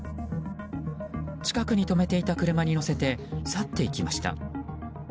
近くに止めていた車に乗せて去っていきました。